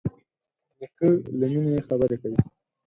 نیکه له مینې خبرې کوي.